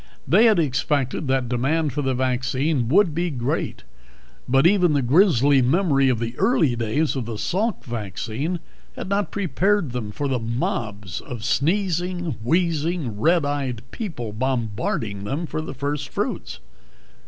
They had expected that demand for the vaccine would be great but even the grisly memory of the early days of the Salk vaccine had not prepared them for the mobs of sneezing, wheezing red eyed people bombarding them for the first fruits.